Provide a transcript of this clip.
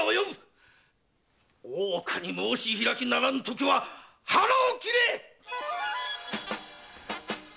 大岡に申し開きならぬときは腹を切れっ‼